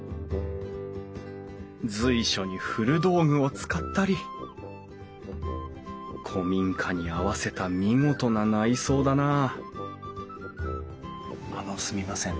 随所に古道具を使ったり古民家に合わせた見事な内装だなああのすみません。